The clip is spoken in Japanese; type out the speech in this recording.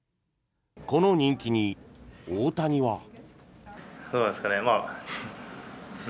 この人気に大谷は。